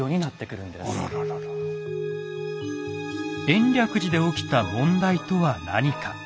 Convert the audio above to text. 延暦寺で起きた問題とは何か。